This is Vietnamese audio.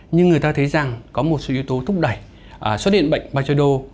nhưng người ta thấy rằng có một số yếu tố thúc đẩy xuất hiện bệnh bajedo